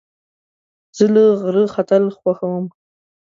زه له غره ختل خوښوم.